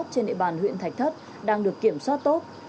trên địa bàn huyện thạch thất đang được kiểm soát tốt